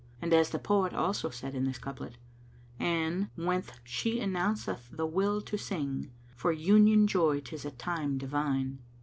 And as the poet also said in this couplet, "And, when she announceth the will to sing, * For Union joy 'tis a time divine!"